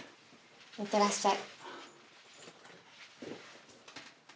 いってらっしゃい。